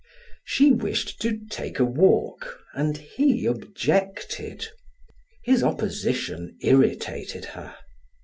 She wished to take a walk and he objected. His opposition irritated her.